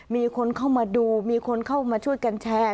มีคนเข้ามาดูมีคนเข้ามาช่วยกันแชร์